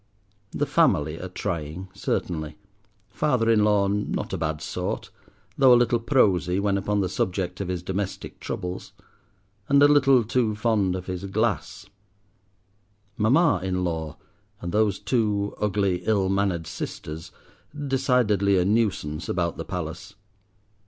The family are trying, certainly; father in law not a bad sort, though a little prosy when upon the subject of his domestic troubles, and a little too fond of his glass; mamma in law, and those two ugly, ill mannered sisters, decidedly a nuisance about the palace.